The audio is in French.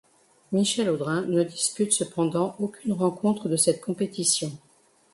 Michel Audrain ne dispute cependant aucune rencontre de cette compétition.